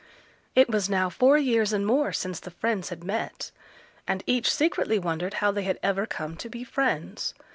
It was now four years and more since the friends had met; and each secretly wondered how they had ever come to be friends.